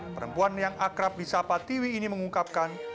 perempuan yang akrab di sapa tiwi ini mengungkapkan